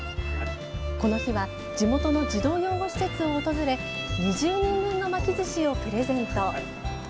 この日は地元の児童養護施設を訪れ２０人分の巻きずしをプレゼント。